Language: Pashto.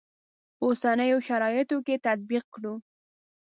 اوسنیو شرایطو کې تطبیق کړو.